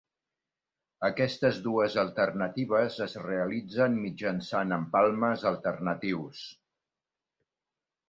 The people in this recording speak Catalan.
Aquestes dues alternatives es realitzen mitjançant empalmes alternatius.